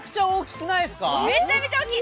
めちゃめちゃ大きい。